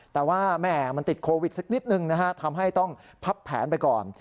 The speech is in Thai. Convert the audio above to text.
แต่ว่าแหม่มันติดโควิดสักนิดนึงนะฮะทำให้ต้องพับแผนไปก่อน